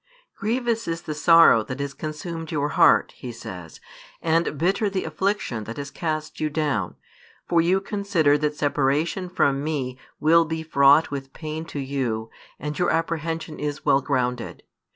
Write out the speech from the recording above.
Grievous is the sorrow that has consumed your heart, He says, and bitter the affliction that has cast you down. For you consider that separation from Me will be fraught with pain to you, and your apprehension is well grounded.